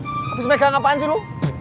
habis mereka ngapain sih lu